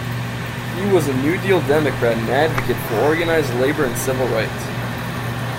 He was a New Deal Democrat and advocate for organized labor and civil rights.